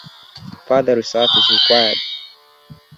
Further research is required.